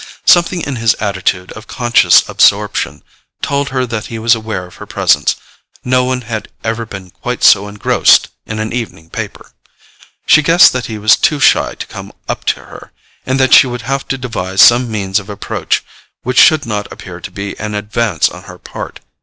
Something in his attitude of conscious absorption told her that he was aware of her presence: no one had ever been quite so engrossed in an evening paper! She guessed that he was too shy to come up to her, and that she would have to devise some means of approach which should not appear to be an advance on her part.